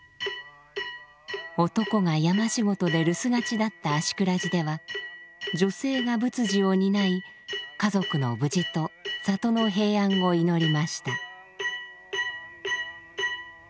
男が山仕事で留守がちだった芦峅寺では女性が仏事を担い家族の無事と里の平安を祈りました。